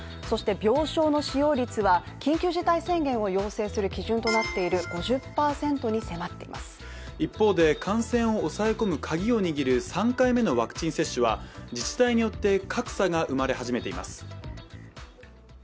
そして病床の使用率は、緊急事態宣言を要請する基準となっている５０％に迫っています一方で感染を抑え込む鍵を握る３回目のワクチン接種は自治体によって格差が生まれ始めています。